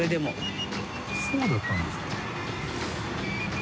そうだったんですか。